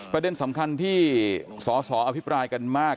ประเด็นสำคัญที่สอสออภิปรายกันมาก